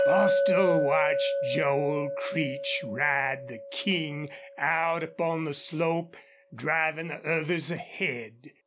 Bostil watched Joel Creech ride the King out upon the slope, driving the others ahead.